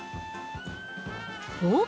おっ？